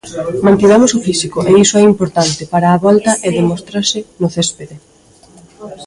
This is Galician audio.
Mantivemos o físico e iso é importante para a volta e demóstrase no céspede.